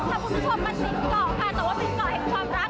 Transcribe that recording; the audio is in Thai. พาคุณผู้ชมมาชิมเกาะค่ะแต่ว่าเป็นเกาะแห่งความรัก